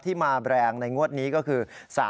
ที่มาแบรงในงวดนี้ก็คือ๓๕